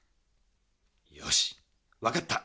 よしわかった。